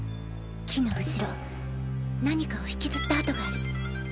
木の後ろ何かを引きずった跡がある。